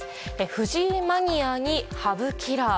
藤井マニアに、羽生キラー。